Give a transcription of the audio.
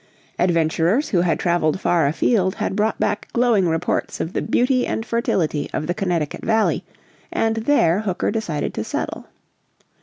Adventurers who had traveled far afield had brought back glowing reports of the beauty and fertility of the Connecticut Valley, and there Hooker decided to settle.